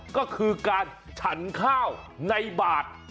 ก็คือการฉันข้าวในบาท